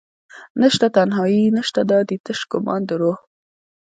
نشته تنهایې نشته دادي تش ګمان دروح